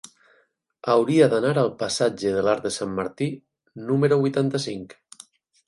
Hauria d'anar al passatge de l'Arc de Sant Martí número vuitanta-cinc.